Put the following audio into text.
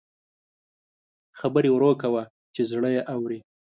خبرې ورو کوه چې زړه یې اوري